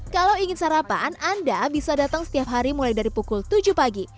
kalau ingin sarapan anda bisa datang setiap hari mulai dari pukul tujuh pagi